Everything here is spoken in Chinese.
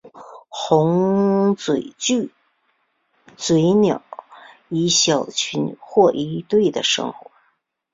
红嘴巨嘴鸟以小群或一对的生活。